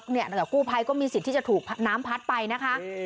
กู้ภัยก็มีสิทธิ์ที่จะถูกน้ำพัดไปนะคะ